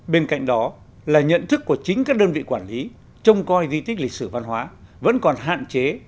bên cạnh đó là nhận thức của chính các đơn vị quản lý trông coi di tích lịch sử văn hóa vẫn còn hạn chế